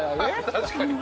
確かに。